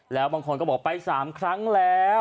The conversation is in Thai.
แล้วบางคนก็บอกไป๓ครั้งแล้ว